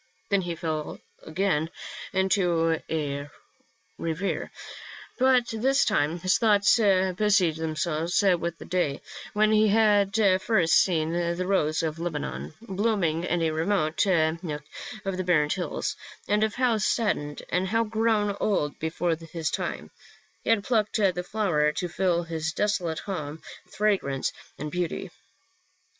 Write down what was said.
Then he fell again into a reverie, but this time his thoughts busied themselves with the day when he had first seen the rose of Lebanon, blooming in a remote nook of the barren hills, and of how, saddened and grown old before his time, he had plucked the flower to fill his desolate home with fragrance and beauty.